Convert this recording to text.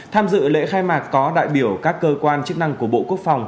tham dự lễ khai mạc có đại biểu các cơ quan chức năng của bộ quốc phòng